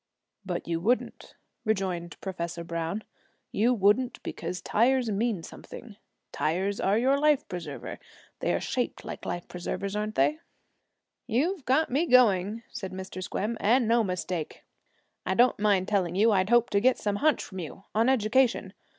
'But you wouldn't,' rejoined Professor Browne, 'you wouldn't, because tires mean something. Tires are your life preserver they are shaped like life preservers, aren't they?' 'You've got me going,' said Mr. Squem, 'and no mistake. I don't mind telling you I'd hoped to get some hunch from you on education.